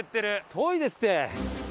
遠いですって！